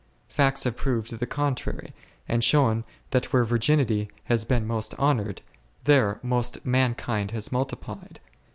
Facts have proved the contrary, and shewn that where virginity has been most honoured, there most man kind has multiplied.